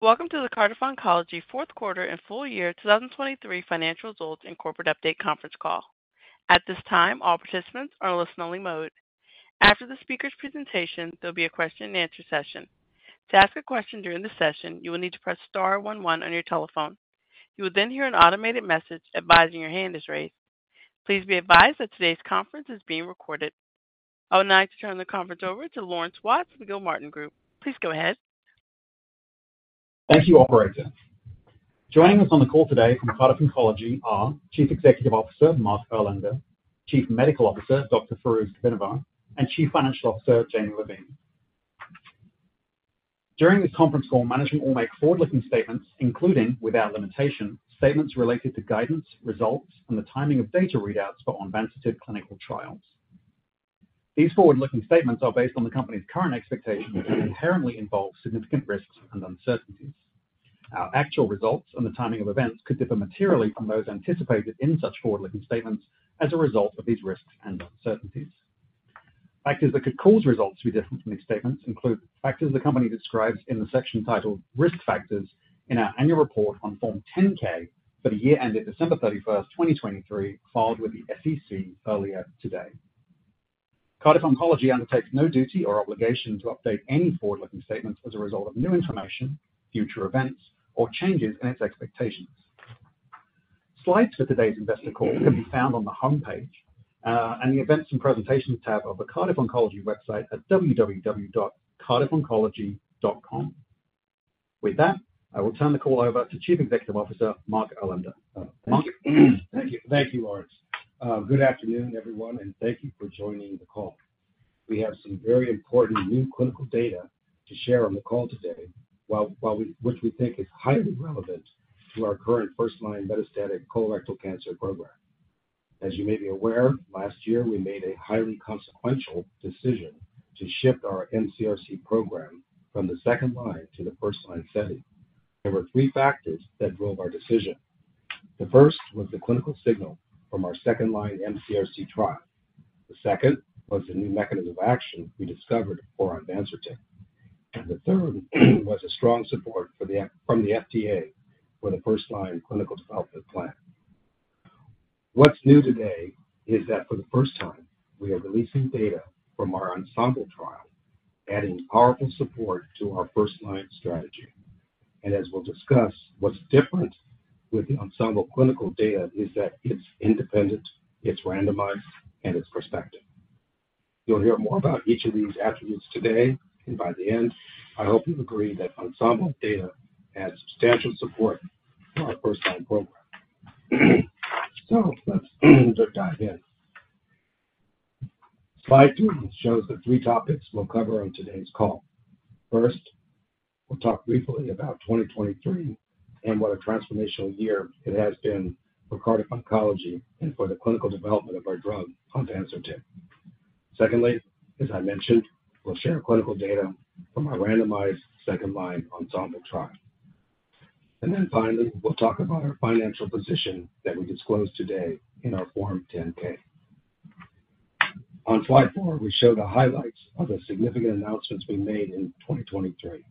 Welcome to the Cardiff Oncology fourth quarter and full year 2023 financial results and corporate update conference call. At this time, all participants are in listen-only mode. After the speaker's presentation, there'll be a question and answer session. To ask a question during the session, you will need to press star one one on your telephone. You will then hear an automated message advising your hand is raised. Please be advised that today's conference is being recorded. I would now like to turn the conference over to Laurence Watts, the Gilmartin Group. Please go ahead. Thank you, operator. Joining us on the call today from Cardiff Oncology are Chief Executive Officer, Mark Erlander, Chief Medical Officer, Dr. Fairooz Kabbinavar, and Chief Financial Officer, Jamie Levine. During this conference call, management will make forward-looking statements, including, without limitation, statements related to guidance, results, and the timing of data readouts for Onvansertib clinical trials. These forward-looking statements are based on the company's current expectations and inherently involve significant risks and uncertainties. Our actual results and the timing of events could differ materially from those anticipated in such forward-looking statements as a result of these risks and uncertainties. Factors that could cause results to be different from these statements include factors the company describes in the section titled Risk Factors in our annual report on Form 10-K for the year ended December 31st, 2023, filed with the SEC earlier today. Cardiff Oncology undertakes no duty or obligation to update any forward-looking statements as a result of new information, future events, or changes in its expectations. Slides for today's investor call can be found on the homepage, and the Events and Presentations tab of the Cardiff Oncology website at www.cardiffoncology.com. With that, I will turn the call over to Chief Executive Officer, Mark Erlander. Mark? Thank you. Thank you, Laurence. Good afternoon, everyone, and thank you for joining the call. We have some very important new clinical data to share on the call today, which we think is highly relevant to our current first-line metastatic colorectal cancer program. As you may be aware, last year, we made a highly consequential decision to shift our mCRC program from the second line to the first line setting. There were three factors that drove our decision. The first was the clinical signal from our second-line mCRC trial. The second was the new mechanism of action we discovered for Onvansertib, and the third was strong feedback from the FDA for the first-line clinical development plan. What's new today is that for the first time, we are releasing data from our ENSEMBLE trial, adding powerful support to our first-line strategy. And as we'll discuss, what's different with the ENSEMBLE clinical data is that it's independent, it's randomized, and it's prospective. You'll hear more about each of these attributes today, and by the end, I hope you've agreed that ENSEMBLE data adds substantial support to our first-line program. So let's dive in. Slide two shows the three topics we'll cover on today's call. First, we'll talk briefly about 2023 and what a transformational year it has been for Cardiff Oncology and for the clinical development of our drug, Onvansertib. Secondly, as I mentioned, we'll share clinical data from our randomized second-line ENSEMBLE trial. And then finally, we'll talk about our financial position that we disclosed today in our Form 10-K. On slide four, we show the highlights of the significant announcements we made in 2023.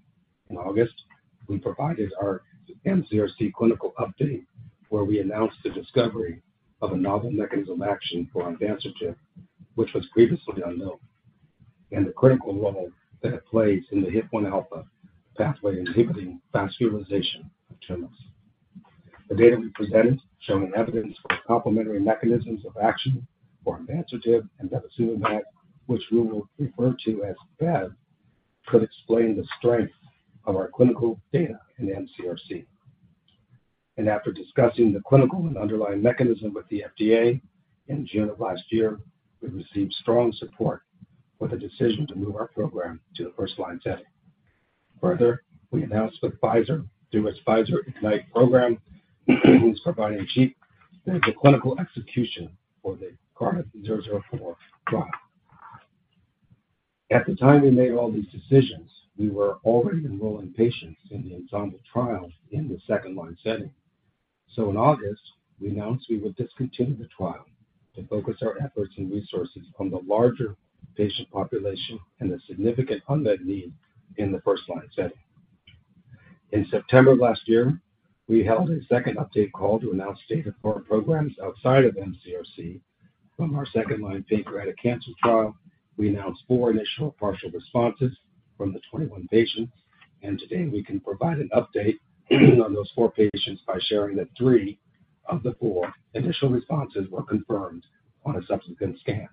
In August, we provided our mCRC clinical update, where we announced the discovery of a novel mechanism action for Onvansertib, which was previously unknown, and the critical role that it plays in the HIF-1 alpha pathway, inhibiting vascularization of tumors. The data we presented, showing evidence for complementary mechanisms of action for Onvansertib and bevacizumab, which we will refer to as VAD, could explain the strength of our clinical data in mCRC. After discussing the clinical and underlying mechanism with the FDA in June of last year, we received strong support for the decision to move our program to the first-line setting. Further, we announced that Pfizer, through its Pfizer Ignite program, is providing clinical clinical execution for the CRDF-004 trial. At the time we made all these decisions, we were already enrolling patients in the ensemble trials in the second-line setting. So in August, we announced we would discontinue the trial to focus our efforts and resources on the larger patient population and the significant unmet need in the first-line setting. In September of last year, we held a second update call to announce the state of our programs outside of mCRC. From our second-line pancreatic cancer trial, we announced four initial partial responses from the 21 patients, and today we can provide an update on those four patients by sharing that three of the four initial responses were confirmed on a subsequent scan.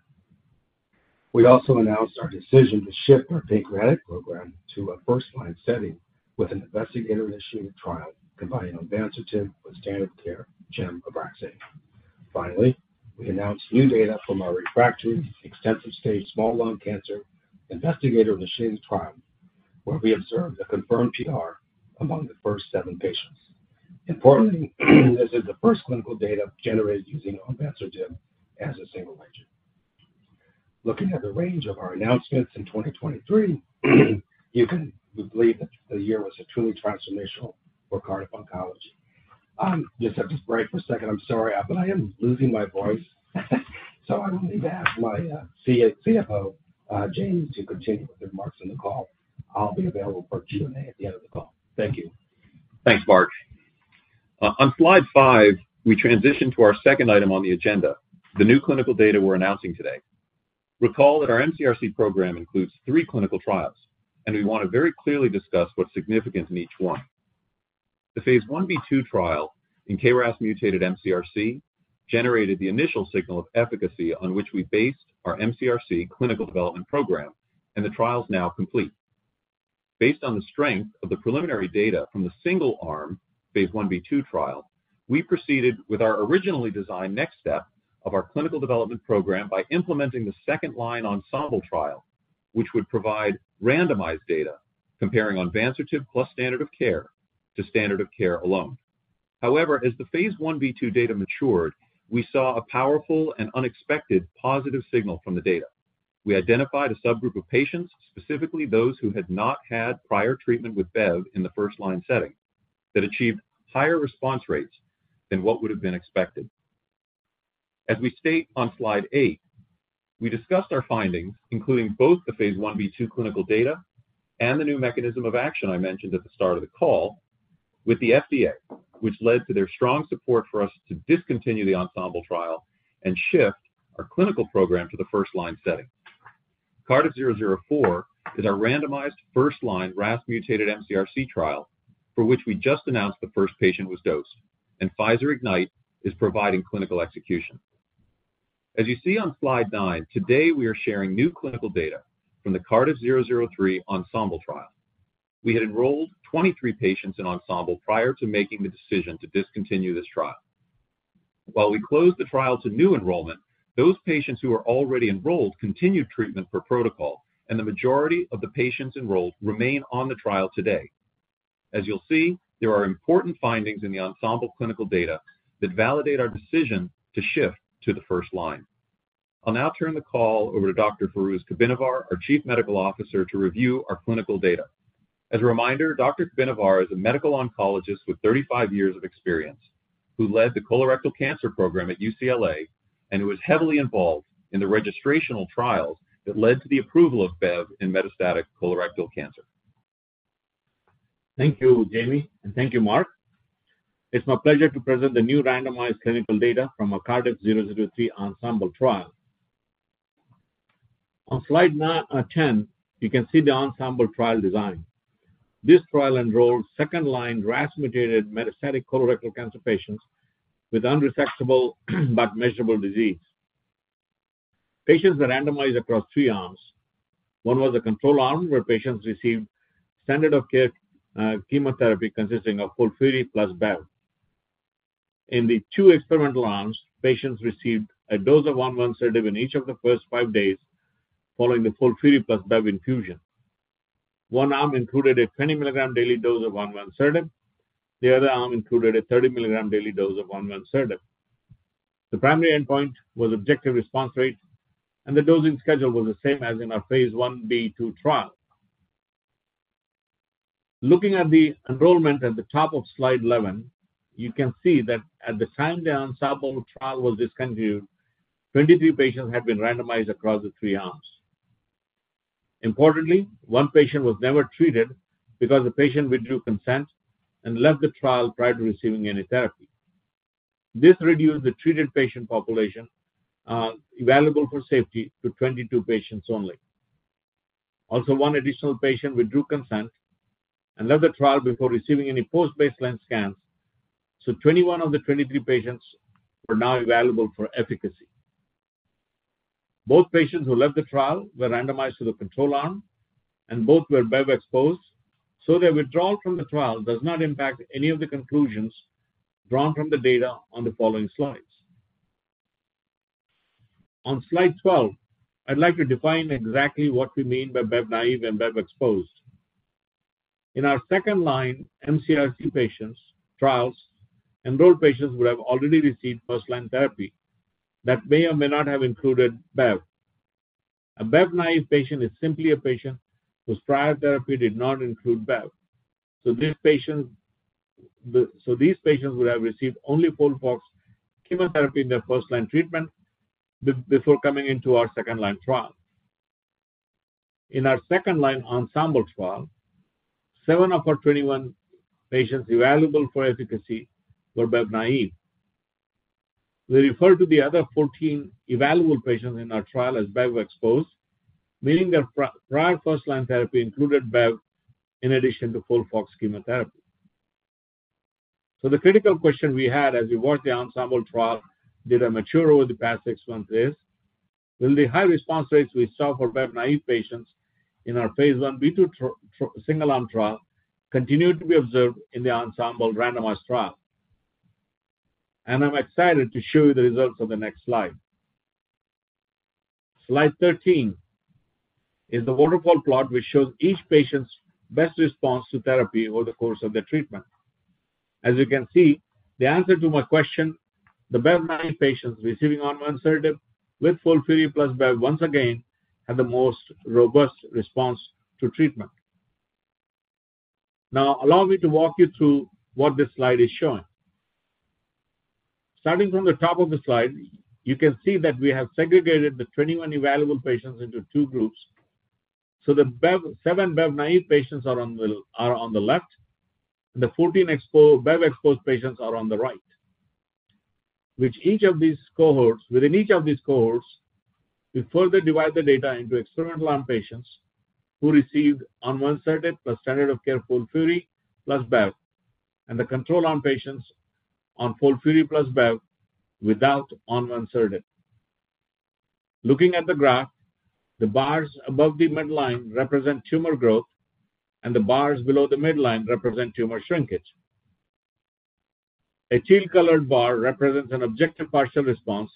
We also announced our decision to shift our pancreatic program to a first-line setting with an investigator-initiated trial combining Onvansertib with standard of care Gem Abraxane. Finally, we announced new data from our refractory extensive-stage small cell lung cancer investigator-initiated trial, where we observed a confirmed PR among the first seven patients. Importantly, this is the first clinical data generated using Onvansertib as a single agent. Looking at the range of our announcements in 2023, you can believe that the year was a truly transformational for Cardiff Oncology.... Just have to break for second. I'm sorry, but I am losing my voice. So I will need to ask my CFO, Jamie, to continue with the remarks on the call. I'll be available for Q&A at the end of the call. Thank you. Thanks, Mark. On slide five, we transition to our second item on the agenda, the new clinical data we're announcing today. Recall that our mCRC program includes three clinical trials, and we want to very clearly discuss what's significant in each one. The Phase 1b/2 trial in KRAS-mutated mCRC generated the initial signal of efficacy on which we based our mCRC clinical development program, and the trial is now complete. Based on the strength of the preliminary data from the single-arm Phase 1b/2 trial, we proceeded with our originally designed next step of our clinical development program by implementing the second-line ENSEMBLE trial, which would provide randomized data comparing Onvansertib plus standard of care to standard of care alone. However, as the Phase 1b/2 data matured, we saw a powerful and unexpected positive signal from the data. We identified a subgroup of patients, specifically those who had not had prior treatment with BEV in the first-line setting, that achieved higher response rates than what would have been expected. As we state on slide eight, we discussed our findings, including both the phase 1b/2 clinical data and the new mechanism of action I mentioned at the start of the call, with the FDA, which led to their strong support for us to discontinue the ENSEMBLE trial and shift our clinical program to the first-line setting. CRDF-004 is our randomized first-line RAS-mutated mCRC trial, for which we just announced the first patient was dosed, and Pfizer Ignite is providing clinical execution. As you see on slide nine, today we are sharing new clinical data from the CRDF-003 ENSEMBLE trial. We had enrolled 23 patients in ENSEMBLE prior to making the decision to discontinue this trial. While we closed the trial to new enrollment, those patients who were already enrolled continued treatment for protocol, and the majority of the patients enrolled remain on the trial today. As you'll see, there are important findings in the ENSEMBLE clinical data that validate our decision to shift to the first line. I'll now turn the call over to Dr. Fairooz Kabbinavar, our Chief Medical Officer, to review our clinical data. As a reminder, Dr. Kabbinavar is a medical oncologist with 35 years of experience, who led the colorectal cancer program at UCLA and who was heavily involved in the registrational trials that led to the approval of BEV in metastatic colorectal cancer. Thank you, Jamie, and thank you, Mark. It's my pleasure to present the new randomized clinical data from our CRDF-003 ENSEMBLE trial. On slide 10, you can see the ENSEMBLE trial design. This trial enrolled second-line RAS-mutated metastatic colorectal cancer patients with unresectable, but measurable disease. Patients were randomized across three arms. One was a control arm, where patients received standard of care chemotherapy, consisting of FOLFIRI plus BEV. In the two experimental arms, patients received a dose of Onvansertib in each of the first 5 days following the FOLFIRI plus BEV infusion. One arm included a 20 milligram daily dose of Onvansertib. The other arm included a 30 milligram daily dose of Onvansertib. The primary endpoint was objective response rate, and the dosing schedule was the same as in our Phase 1-B/2 trial. Looking at the enrollment at the top of slide 11, you can see that at the time the ENSEMBLE trial was discontinued, 23 patients had been randomized across the three arms. Importantly, one patient was never treated because the patient withdrew consent and left the trial prior to receiving any therapy. This reduced the treated patient population, evaluable for safety to 22 patients only. Also, one additional patient withdrew consent and left the trial before receiving any post-baseline scans, so 21 of the 23 patients were now evaluable for efficacy. Both patients who left the trial were randomized to the control arm, and both were BEV-exposed, so their withdrawal from the trial does not impact any of the conclusions drawn from the data on the following slides. On slide 12, I'd like to define exactly what we mean by BEV-naïve and BEV-exposed. In our second-line mCRC patients trials, enrolled patients would have already received first-line therapy that may or may not have included BEV. A BEV-naïve patient is simply a patient whose prior therapy did not include BEV. So these patients would have received only FOLFOX chemotherapy in their first-line treatment before coming into our second-line trial. In our second-line ENSEMBLE trial, 7 of our 21 patients evaluable for efficacy were BEV-naïve. We refer to the other 14 evaluable patients in our trial as BEV-exposed, meaning their prior first-line therapy included BEV in addition to FOLFOX chemotherapy. So the critical question we had as we worked the ENSEMBLE trial, data mature over the past six months is, will the high response rates we saw for BEV-naïve patients in our Phase 1b/2 single-arm trial continue to be observed in the ENSEMBLE randomized trial? And I'm excited to show you the results of the next slide. Slide 13 is the waterfall plot, which shows each patient's best response to therapy over the course of their treatment. As you can see, the answer to my question. The BEV-naïve patients receiving Onvansertib with FOLFIRI plus BEV once again had the most robust response to treatment. Now, allow me to walk you through what this slide is showing. Starting from the top of the slide, you can see that we have segregated the 21 evaluable patients into two groups. So the BEV, 7 BEV-naïve patients are on the left, and the 14 BEV-exposed patients are on the right. Within each of these cohorts, we further divide the data into experimental arm patients who received Onvansertib plus standard of care FOLFIRI plus BEV, and the control arm patients on FOLFIRI plus BEV without Onvansertib. Looking at the graph, the bars above the midline represent tumor growth, and the bars below the midline represent tumor shrinkage. A teal-colored bar represents an objective partial response,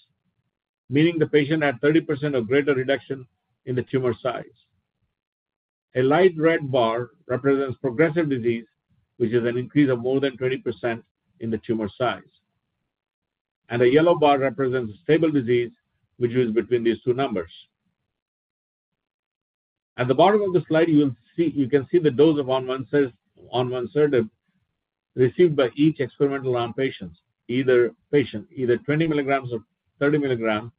meaning the patient had 30% or greater reduction in the tumor size. A light red bar represents progressive disease, which is an increase of more than 20% in the tumor size. A yellow bar represents stable disease, which is between these two numbers. At the bottom of the slide, you will see, you can see the dose of Onvansertib received by each experimental arm patients, either 20 milligrams or 30 milligrams,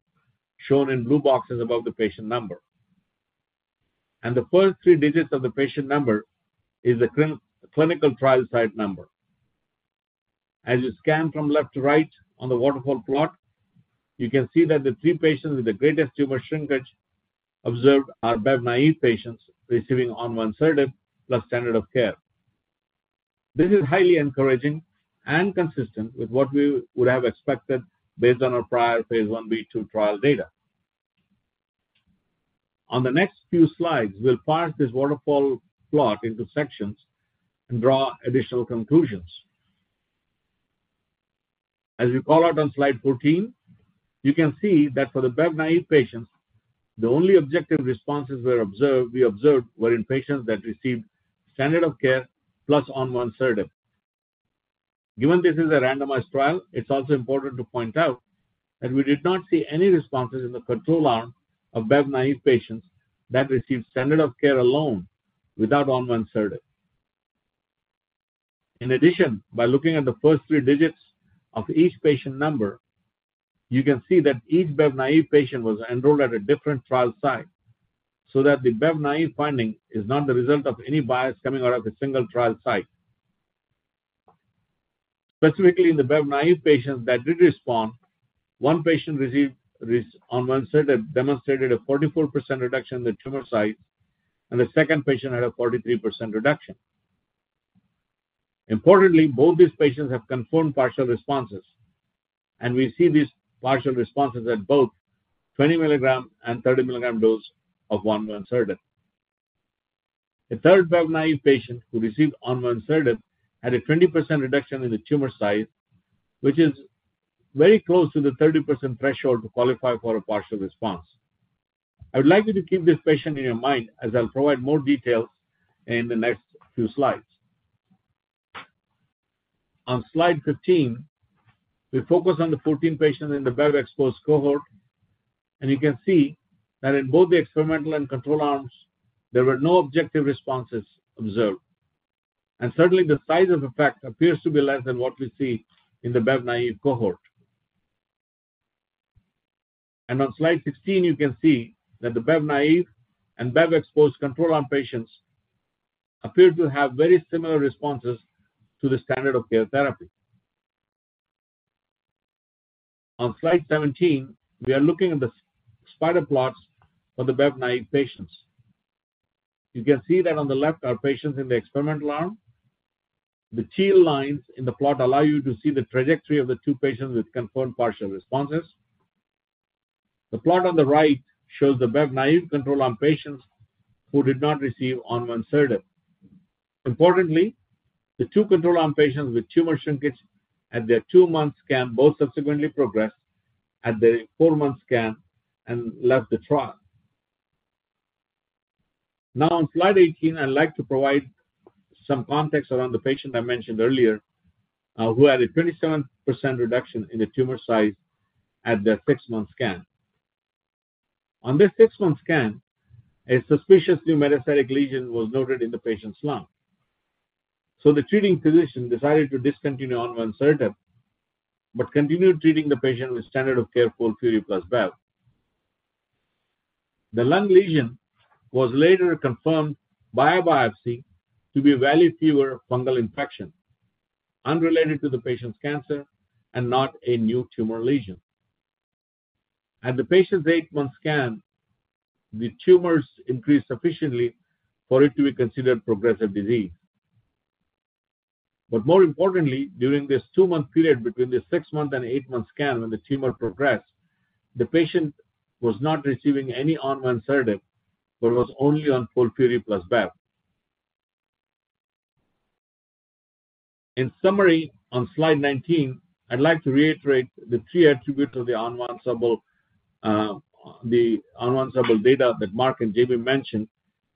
shown in blue boxes above the patient number. And the first three digits of the patient number is a clinical trial site number. As you scan from left to right on the waterfall plot, you can see that the three patients with the greatest tumor shrinkage observed are BEV-naïve patients receiving Onvansertib plus standard of care. This is highly encouraging and consistent with what we would have expected based on our prior phase I, B2 trial data. On the next few slides, we'll parse this waterfall plot into sections and draw additional conclusions. As we call out on slide 14, you can see that for the BEV-naïve patients, the only objective responses were observed in patients that received standard of care plus Onvansertib. Given this is a randomized trial, it's also important to point out that we did not see any responses in the control arm of BEV-naïve patients that received standard of care alone without Onvansertib. In addition, by looking at the first three digits of each patient number, you can see that each BEV-naïve patient was enrolled at a different trial site, so that the BEV-naïve finding is not the result of any bias coming out of a single trial site. Specifically, in the BEV-naïve patients that did respond, one patient received Onvansertib, demonstrated a 44% reduction in the tumor size, and the second patient had a 43% reduction. Importantly, both these patients have confirmed partial responses, and we see these partial responses at both 20 milligram and 30 milligram dose of Onvansertib. A third BEV-naïve patient who received Onvansertib had a 20% reduction in the tumor size, which is very close to the 30% threshold to qualify for a partial response. I would like you to keep this patient in your mind, as I'll provide more details in the next few slides. On slide 15, we focus on the 14 patients in the BEV-exposed cohort, and you can see that in both the experimental and control arms, there were no objective responses observed. Certainly, the size of effect appears to be less than what we see in the BEV-naïve cohort. On slide 16, you can see that the BEV-naïve and BEV-exposed control arm patients appear to have very similar responses to the standard of care therapy. On slide 17, we are looking at the spider plots for the BEV-naïve patients. You can see that on the left are patients in the experimental arm. The teal lines in the plot allow you to see the trajectory of the 2 patients with confirmed partial responses. The plot on the right shows the BEV-naïve control arm patients who did not receive Onvansertib. Importantly, the 2 control arm patients with tumor shrinkage at their 2-month scan both subsequently progressed at their 4-month scan and left the trial. Now, on slide 18, I'd like to provide some context around the patient I mentioned earlier who had a 27% reduction in the tumor size at their 6-month scan. On this 6-month scan, a suspicious new metastatic lesion was noted in the patient's lung. So the treating physician decided to discontinue Onvansertib, but continued treating the patient with standard of care FOLFIRI plus BEV. The lung lesion was later confirmed by a biopsy to be a Valley fever fungal infection, unrelated to the patient's cancer and not a new tumor lesion. At the patient's 8-month scan, the tumors increased sufficiently for it to be considered progressive disease. But more importantly, during this 2-month period between the 6-month and 8-month scan, when the tumor progressed, the patient was not receiving any Onvansertib, but was only on FOLFIRI plus BEV. In summary, on slide 19, I'd like to reiterate the three attributes of the Onvansertib, the Onvansertib data that Mark and JB mentioned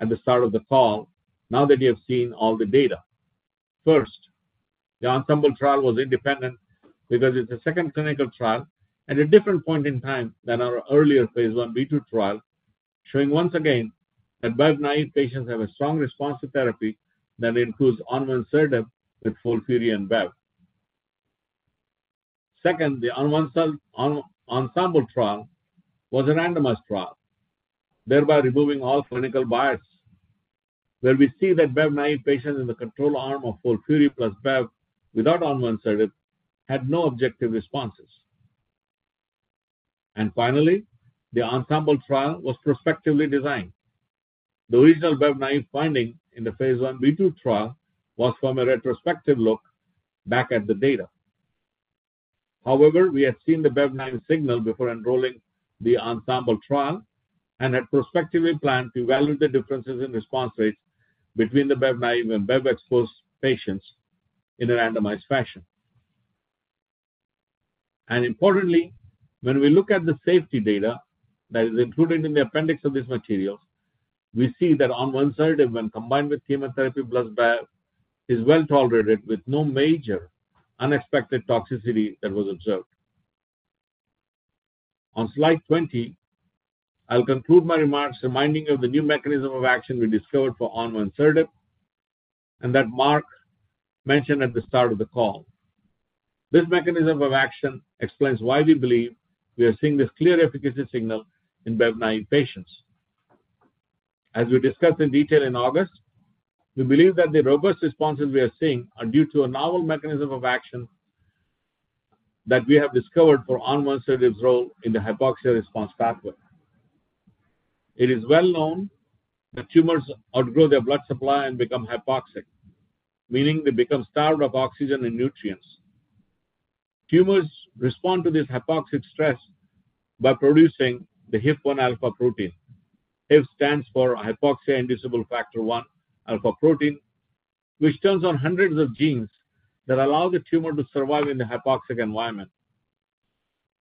at the start of the call, now that you have seen all the data. First, the ENSEMBLE trial was independent because it's a second clinical trial at a different point in time than our earlier phase 1b/2 trial, showing once again that BEV-naïve patients have a strong response to therapy that includes Onvansertib with FOLFIRI and BEV. Second, the ENSEMBLE trial was a randomized trial, thereby removing all clinical bias, where we see that BEV-naïve patients in the control arm of FOLFIRI plus BEV without Onvansertib had no objective responses. Finally, the ENSEMBLE trial was prospectively designed. The original BEV-naïve finding in the phase 1b/2 trial was from a retrospective look back at the data. However, we had seen the BEV-naïve signal before enrolling the ENSEMBLE trial and had prospectively planned to evaluate the differences in response rates between the BEV-naïve and BEV-exposed patients in a randomized fashion. Importantly, when we look at the safety data that is included in the appendix of this material, we see that Onvansertib, when combined with chemotherapy plus BEV, is well-tolerated, with no major unexpected toxicity that was observed. On slide 20, I'll conclude my remarks reminding you of the new mechanism of action we discovered for Onvansertib, and that Mark mentioned at the start of the call. This mechanism of action explains why we believe we are seeing this clear efficacy signal in BEV-naïve patients. As we discussed in detail in August, we believe that the robust responses we are seeing are due to a novel mechanism of action that we have discovered for Onvansertib's role in the hypoxia response pathway. It is well known that tumors outgrow their blood supply and become hypoxic, meaning they become starved of oxygen and nutrients. Tumors respond to this hypoxic stress by producing the HIF-1 alpha protein. HIF stands for hypoxia-inducible factor one alpha protein, which turns on hundreds of genes that allow the tumor to survive in the hypoxic environment.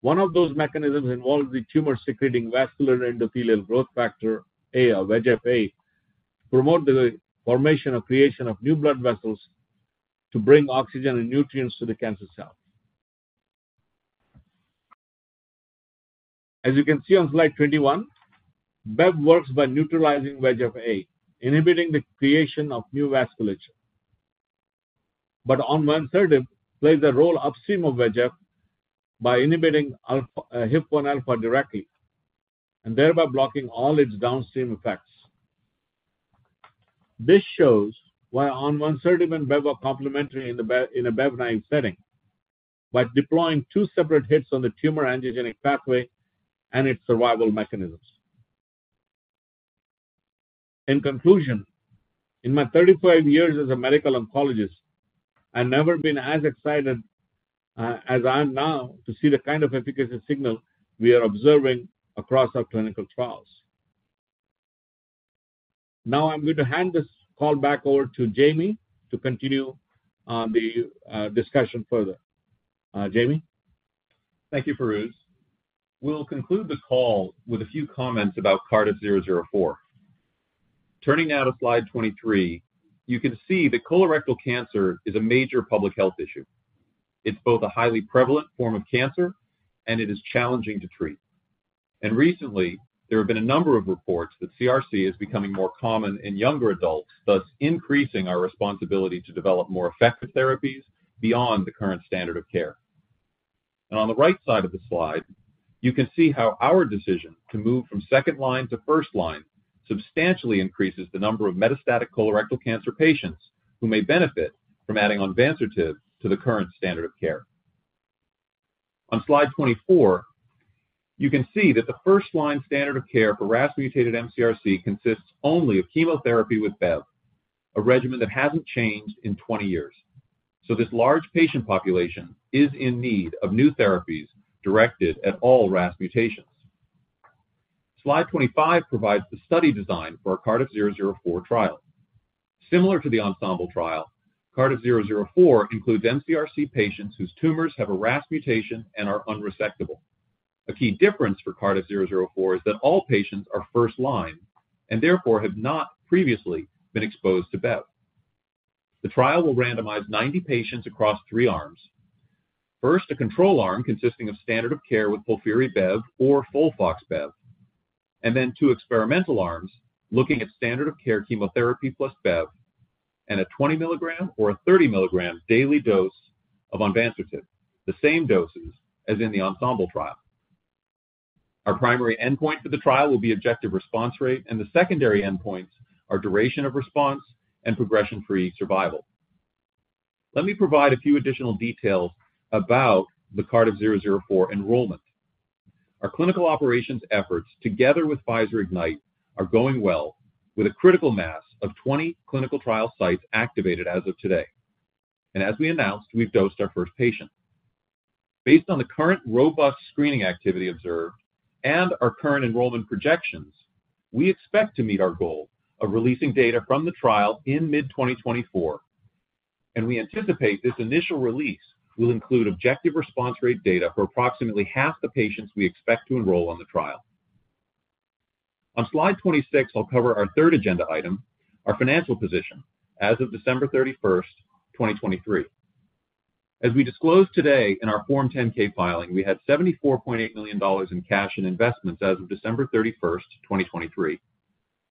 One of those mechanisms involves the tumor secreting vascular endothelial growth factor A, or VEGF-A, to promote the formation or creation of new blood vessels to bring oxygen and nutrients to the cancer cells. As you can see on slide 21, BEV works by neutralizing VEGF-A, inhibiting the creation of new vasculature. But Onvansertib plays a role upstream of VEGF by inhibiting HIF-1 alpha directly and thereby blocking all its downstream effects. This shows why Onvansertib and BEV are complementary in the BEV, in a BEV-naïve setting, by deploying two separate hits on the tumor angiogenic pathway and its survival mechanisms. In conclusion, in my 35 years as a medical oncologist, I've never been as excited as I am now to see the kind of efficacy signal we are observing across our clinical trials. Now, I'm going to hand this call back over to Jamie to continue the discussion further. Jamie? Thank you, Fairooz. We'll conclude the call with a few comments about CRDF-004. Turning now to slide 23, you can see that colorectal cancer is a major public health issue. It's both a highly prevalent form of cancer, and it is challenging to treat. Recently, there have been a number of reports that CRC is becoming more common in younger adults, thus increasing our responsibility to develop more effective therapies beyond the current standard of care. On the right side of the slide, you can see how our decision to move from second line to first line substantially increases the number of metastatic colorectal cancer patients who may benefit from adding Onvansertib to the current standard of care. On slide 24, you can see that the first-line standard of care for RAS-mutated mCRC consists only of chemotherapy with BEV, a regimen that hasn't changed in 20 years. So this large patient population is in need of new therapies directed at all RAS mutations. Slide 25 provides the study design for our CRDF-004 trial. Similar to the ENSEMBLE trial, CRDF-004 includes mCRC patients whose tumors have a RAS mutation and are unresectable. A key difference for CRDF-004 is that all patients are first-line and therefore have not previously been exposed to BEV. The trial will randomize 90 patients across three arms. First, a control arm consisting of standard of care with FOLFIRI BEV or FOLFOX BEV, and then two experimental arms looking at standard of care chemotherapy plus BEV and a 20 milligram or a 30 milligram daily dose of Onvansertib, the same doses as in the ENSEMBLE trial. Our primary endpoint for the trial will be objective response rate, and the secondary endpoints are duration of response and progression-free survival. Let me provide a few additional details about the CRDF-004 enrollment. Our clinical operations efforts, together with Pfizer Ignite, are going well, with a critical mass of 20 clinical trial sites activated as of today. As we announced, we've dosed our first patient. Based on the current robust screening activity observed and our current enrollment projections, we expect to meet our goal of releasing data from the trial in mid-2024, and we anticipate this initial release will include objective response rate data for approximately half the patients we expect to enroll on the trial. On Slide 26, I'll cover our third agenda item, our financial position as of December 31st, 2023. As we disclosed today in our Form 10-K filing, we had $74.8 million in cash and investments as of December 31st, 2023,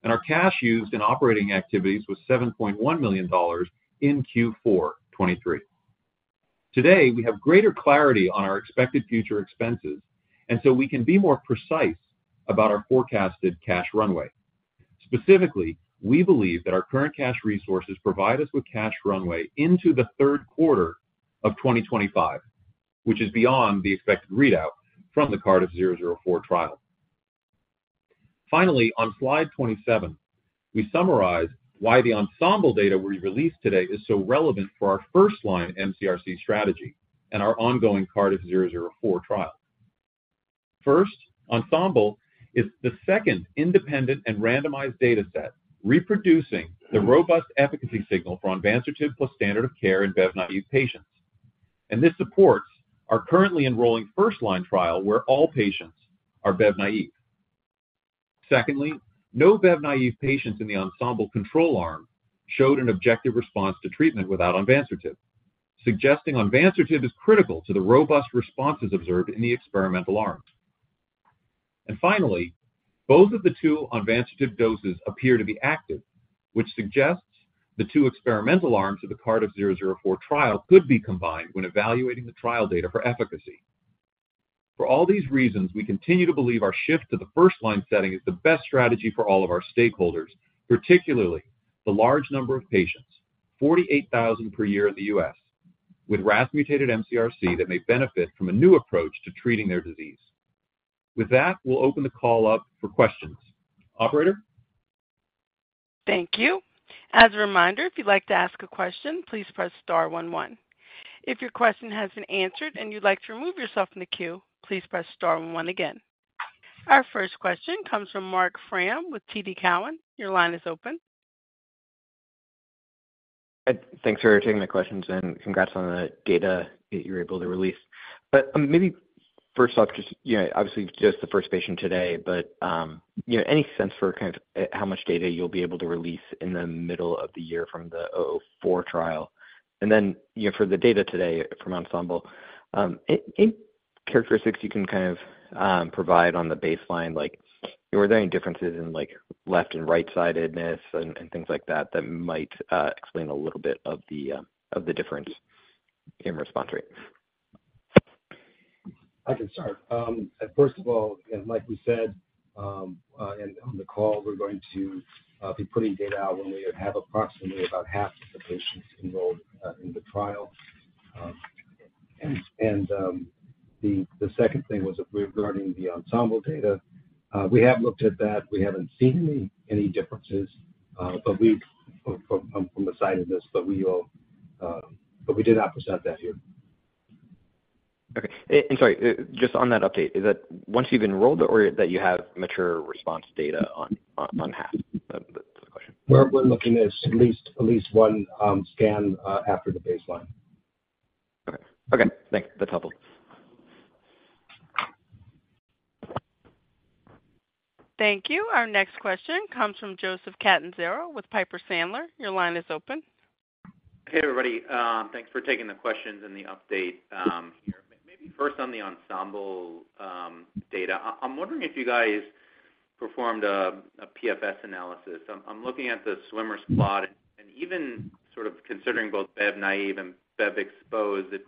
and our cash used in operating activities was $7.1 million in Q4 2023. Today, we have greater clarity on our expected future expenses, and so we can be more precise about our forecasted cash runway. Specifically, we believe that our current cash resources provide us with cash runway into the third quarter of 2025, which is beyond the expected readout from the CRDF-004 trial. Finally, on Slide 27, we summarize why the ENSEMBLE data we released today is so relevant for our first-line mCRC strategy and our ongoing CRDF-004 trial. First, ENSEMBLE is the second independent and randomized data set, reproducing the robust efficacy signal for Onvansertib plus standard of care in BEV-naïve patients. And this supports our currently enrolling first-line trial, where all patients are BEV-naïve. Secondly, no BEV-naïve patients in the ENSEMBLE control arm showed an objective response to treatment without Onvansertib, suggesting Onvansertib is critical to the robust responses observed in the experimental arms. And finally, both of the two Onvansertib doses appear to be active, which suggests the two experimental arms of the CRDF-004 trial could be combined when evaluating the trial data for efficacy. For all these reasons, we continue to believe our shift to the first line setting is the best strategy for all of our stakeholders, particularly the large number of patients, 48,000 per year in the U.S., with RAS mutated mCRC, that may benefit from a new approach to treating their disease. With that, we'll open the call up for questions. Operator? Thank you. As a reminder, if you'd like to ask a question, please press star one, one. If your question has been answered and you'd like to remove yourself from the queue, please press star one one again. Our first question comes from Marc Frahm with TD Cowen. Your line is open. Thanks for taking the questions, and congrats on the data that you're able to release. But, maybe first off, just, you know, obviously, just the first patient today, but, you know, any sense for kind of, how much data you'll be able to release in the middle of the year from the 004 trial? And then, you know, for the data today from ENSEMBLE, any characteristics you can kind of, provide on the baseline, like, were there any differences in, like, left and right-sidedness and, and things like that, that might, explain a little bit of the difference in response rates? I can start. First of all, and like we said, and on the call, we're going to be putting data out when we have approximately about half of the patients enrolled in the trial. And the second thing was regarding the ENSEMBLE data. We have looked at that. We haven't seen any differences, but we from the sidedness, but we will, but we did not present that here. Okay. And sorry, just on that update, is that once you've enrolled or that you have mature response data on half? That's the question. We're looking at least one scan after the baseline. Okay. Okay, thanks. That's helpful. Thank you. Our next question comes from Joseph Catanzaro with Piper Sandler. Your line is open. Hey, everybody, thanks for taking the questions and the update here. Maybe first on the ENSEMBLE data. I'm wondering if you guys performed a PFS analysis. I'm looking at the Swimmer's plot, and even sort of considering both BEV-naïve and BEV-exposed, it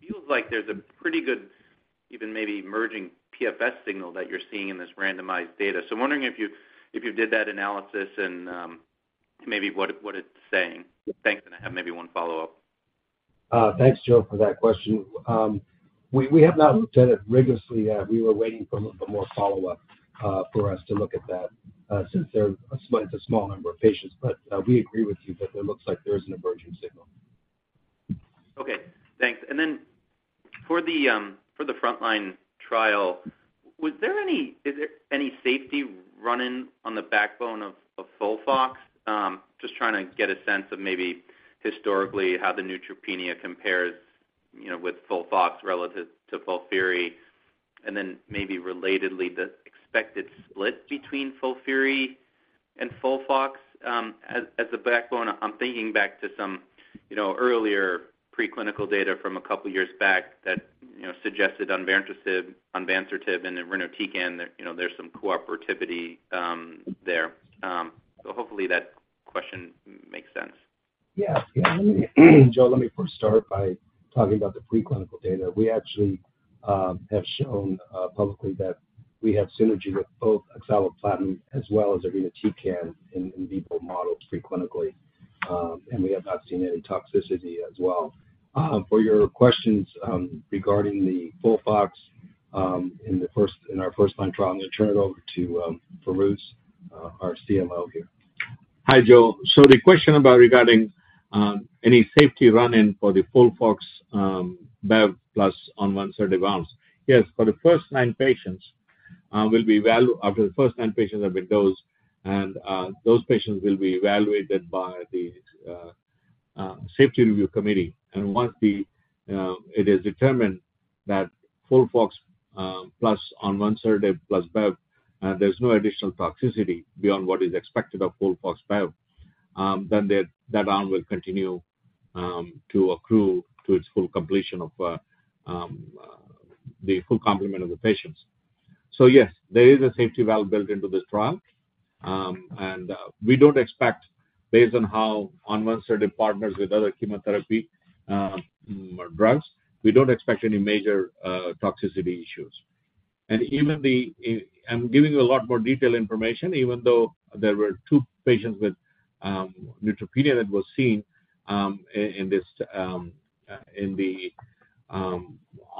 feels like there's a pretty good, even maybe emerging PFS signal that you're seeing in this randomized data. So I'm wondering if you did that analysis and maybe what it's saying. Thanks, and I have maybe one follow-up. Thanks, Joe, for that question. We have not looked at it rigorously yet. We were waiting for a little bit more follow-up for us to look at that, since they're a small number of patients. But we agree with you that it looks like there is an emerging signal. Okay, thanks. And then for the frontline trial, is there any safety run-in on the backbone of FOLFOX? Just trying to get a sense of maybe historically how the neutropenia compares, you know, with FOLFOX relative to FOLFIRI, and then maybe relatedly, the expected split between FOLFIRI and FOLFOX as a backbone. I'm thinking back to some, you know, earlier preclinical data from a couple of years back that, you know, suggested Onvansertib, Onvansertib and irinotecan, you know, there's some cooperativity there. So hopefully that question makes sense. Yes. Joe, let me first start by talking about the preclinical data. We actually have shown publicly that we have synergy with both oxaliplatin as well as irinotecan in vivo models preclinically, and we have not seen any toxicity as well. For your questions regarding the FOLFOX in our first blind trial, I'm going to turn it over to Fairooz, our CMO here. Hi, Joe. So the question about regarding any safety run-in for the FOLFOX BEV plus Onvansertib arms. Yes, for the first nine patients, after the first nine patients have been dosed, and those patients will be evaluated by the safety review committee. And once it is determined that FOLFOX plus Onvansertib plus BEV, there's no additional toxicity beyond what is expected of FOLFOX BEV, then that arm will continue to accrue to its full completion of the full complement of the patients. So yes, there is a safety valve built into this trial. And we don't expect, based on how Onvansertib partners with other chemotherapy or drugs, we don't expect any major toxicity issues. I'm giving you a lot more detailed information, even though there were two patients with neutropenia that was seen in this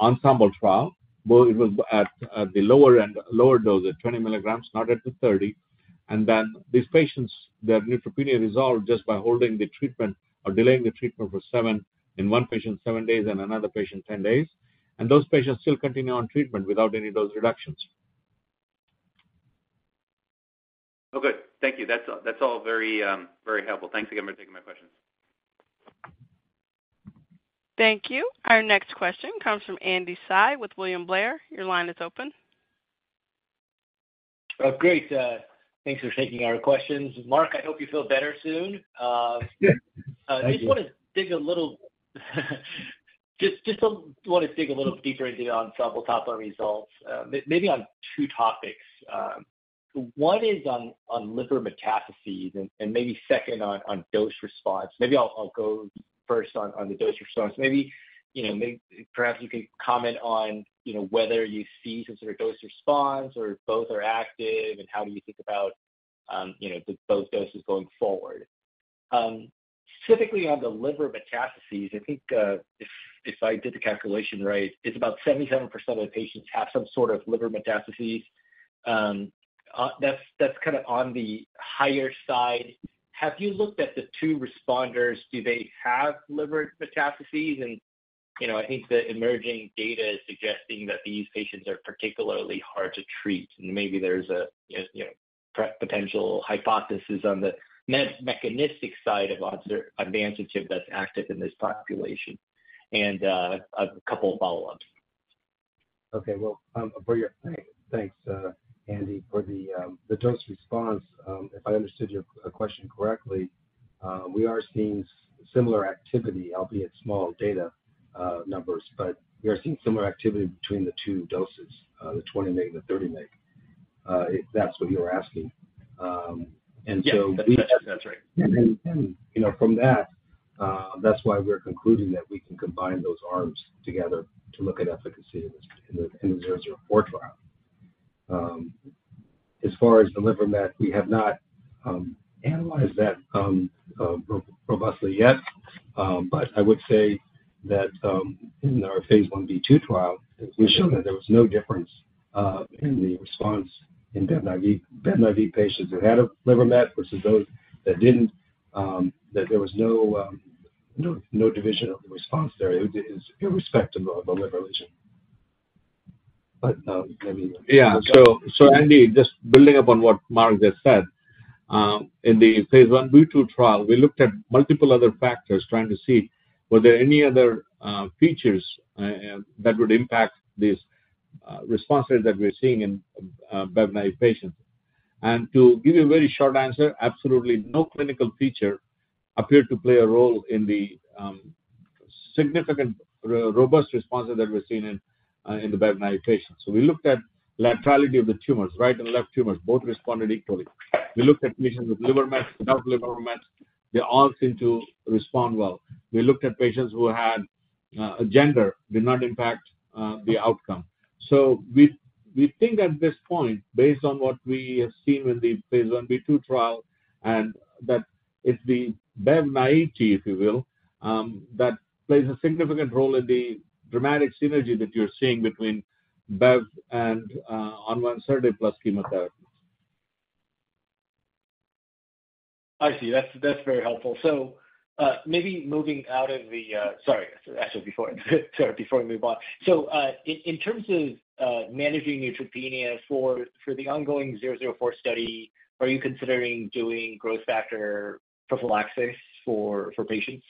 ENSEMBLE trial. Well, it was at the lower end, lower dose, at 20 milligrams, not at the 30. And then these patients, their neutropenia resolved just by holding the treatment or delaying the treatment for 7 days in one patient, and 10 days in another patient. And those patients still continue on treatment without any of those reductions. Oh, good. Thank you. That's all very helpful. Thanks again for taking my questions. Thank you. Our next question comes from Andy Hsieh with William Blair. Your line is open. Great, thanks for taking our questions. Mark, I hope you feel better soon. Thank you. I just wanna dig a little deeper into the ENSEMBLE top line results, maybe on two topics. One is on liver metastases, and maybe second on dose response. Maybe I'll go first on the dose response. Maybe, you know, perhaps you can comment on, you know, whether you see some sort of dose response or both are active, and how do you think about, you know, the both doses going forward? Specifically on the liver metastases, I think, if I did the calculation right, it's about 77% of the patients have some sort of liver metastases. That's kind of on the higher side. Have you looked at the two responders? Do they have liver metastases? You know, I think the emerging data is suggesting that these patients are particularly hard to treat, and maybe there's a you know, potential hypothesis on the mechanistic side of Onvansertib that's active in this population. And, a couple of follow-ups. Okay. Well, for your... Thanks, Andy. For the dose response, if I understood your question correctly, we are seeing similar activity, albeit small data numbers, but we are seeing similar activity between the two doses, the 20 mg and the 30 mg, if that's what you're asking. And so we- Yes, that's right. And then, you know, from that, that's why we're concluding that we can combine those arms together to look at efficacy in this, in the 04 trial. As far as the liver met, we have not analyzed that robustly yet. But I would say that in our phase 1b/2 trial, we showed that there was no difference in the response in BEV-naïve patients who had a liver met versus those that didn't, that there was no division of the response there, irrespective of the liver lesion. But, let me- Yeah. So, Andy, just building upon what Mark just said, in the phase 1 BEV trial, we looked at multiple other factors trying to see were there any other features that would impact these responses that we're seeing in BEV-naïve patients. And to give you a very short answer, absolutely no clinical feature appeared to play a role in the significant robust responses that we're seeing in the BEV-naïve patients. So we looked at laterality of the tumors, right and left tumors, both responded equally. We looked at patients with liver mets, without liver mets, they all seem to respond well. We looked at gender; it did not impact the outcome. So we think at this point, based on what we have seen in the phase 1b/2 trial, that it's the BEV naivety, if you will, that plays a significant role in the dramatic synergy that you're seeing between BEV and Onvansertib plus chemotherapies. I see. That's, that's very helpful. So, maybe moving out of the... Sorry, actually, before, sorry, before we move on. So, in terms of managing neutropenia for the ongoing 004 study, are you considering doing growth factor prophylaxis for patients?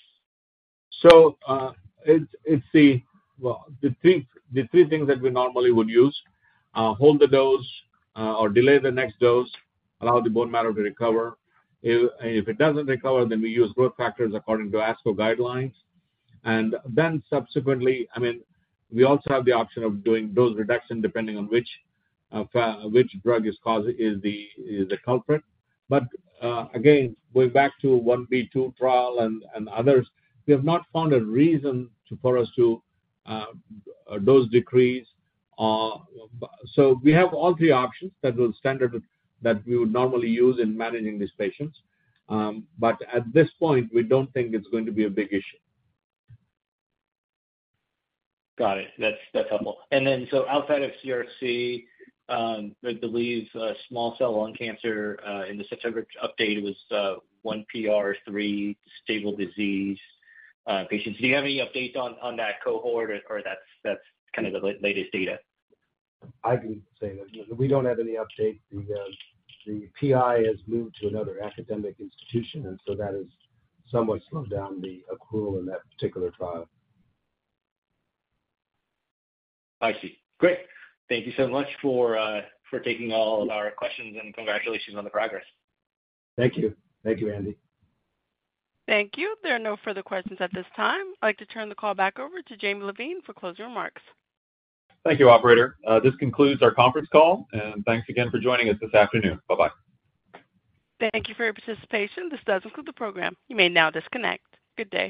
So, it's the three things that we normally would use, hold the dose, or delay the next dose, allow the bone marrow to recover. If it doesn't recover, then we use growth factors according to ASCO guidelines. And then subsequently, I mean, we also have the option of doing dose reduction, depending on which drug is causing, is the culprit. But, again, going back to 1B2 trial and others, we have not found a reason to dose decrease. So we have all three options that are standard, that we would normally use in managing these patients. But at this point, we don't think it's going to be a big issue. Got it. That's, that's helpful. And then, so outside of CRC, I believe, small cell lung cancer, in the September update was, one PR, three stable disease patients. Do you have any updates on, on that cohort, or, or that's, that's kind of the latest data? I can say that we don't have any update. The PI has moved to another academic institution, and so that has somewhat slowed down the accrual in that particular trial. I see. Great. Thank you so much for, for taking all of our questions, and congratulations on the progress. Thank you. Thank you, Andy. Thank you. There are no further questions at this time. I'd like to turn the call back over to Jamie Levine for closing remarks. Thank you, operator. This concludes our conference call, and thanks again for joining us this afternoon. Bye-bye. Thank you for your participation. This does conclude the program. You may now disconnect. Good day.